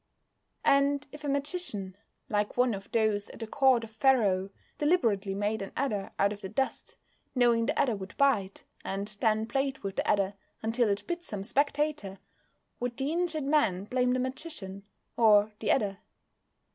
And if a magician, like one of those at the court of Pharaoh, deliberately made an adder out of the dust, knowing the adder would bite, and then played with the adder until it bit some spectator, would the injured man blame the magician or the adder?